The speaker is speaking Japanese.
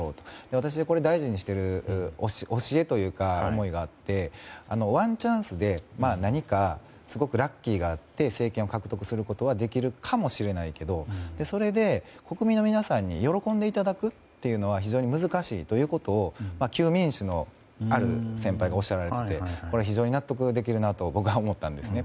私、大事にしている教えというか思いがあってワンチャンスで何かすごくラッキーがあって政権を獲得することはできるかもしれないけれどもそれで国民の皆さんに喜んでいただくというのは非常に難しいということを旧民主のある先輩がおっしゃられていて非常に納得できるなと僕は思ったんですね。